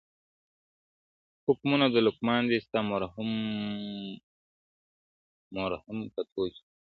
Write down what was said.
حکمتونه د لقمان دي ستا مرحم مرحم کتو کي,